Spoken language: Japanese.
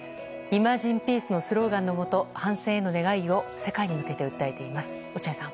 「イマジン・ピース」のスローガンのもと反戦への願いを世界に向けて訴えています。